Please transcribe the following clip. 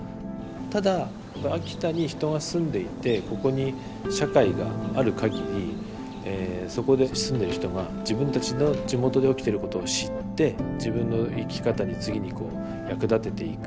ただ秋田に人が住んでいてここに社会があるかぎりそこで住んでる人が自分たちの地元で起きてることを知って自分の生き方に次にこう役立てていく。